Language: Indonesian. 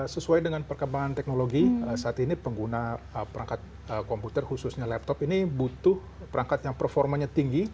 sesuai dengan perkembangan teknologi saat ini pengguna perangkat komputer khususnya laptop ini butuh perangkat yang performanya tinggi